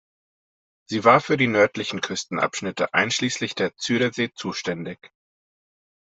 Sie war für die nördlichen Küstenabschnitte einschließlich der Zuiderzee zuständig.